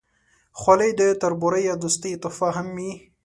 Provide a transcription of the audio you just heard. خولۍ د تربورۍ یا دوستۍ تحفه هم وي.